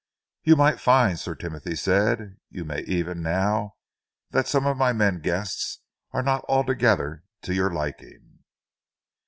"You might find," Sir Timothy said, "you may even now that some of my men guests are not altogether to your liking."